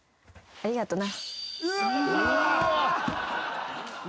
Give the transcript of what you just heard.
「ありがとな」